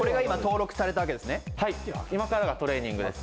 はい今からがトレーニングです。